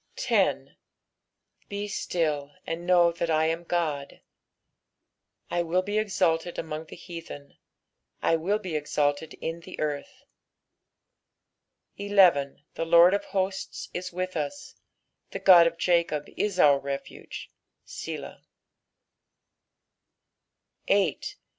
10 Be still, and know that I am God : I will be exalted among the heathen, I will be exalted in the earth. r I The Lord of hosts is with us ; the God of Jacob is our refuge. Selah. PSAIJC THB FOBTT SIZTH. 383 8.